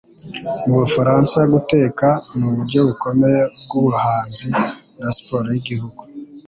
Mu Bufaransa, guteka nuburyo bukomeye bwubuhanzi na siporo yigihugu